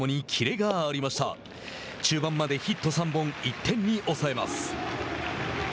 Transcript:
中盤までヒット３本１点に抑えます。